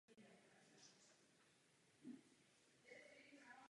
Čtyři stromy rostou ve skupině kolem pomníku poblíž památkově chráněných božích muk.